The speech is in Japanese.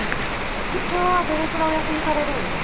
社長はどれくらいお休みされるんですか？